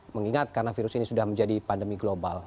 mengingat karena virus ini sudah menjadi pandemi global